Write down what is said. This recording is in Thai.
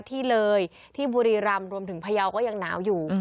ที่เลยที่บุรีรำรวมถึงพยาวก็ยังหนาวอยู่